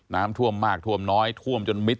น้ำท่วมมากท่วมน้อยท่วมจนมิด